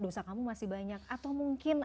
dosa kamu masih banyak atau mungkin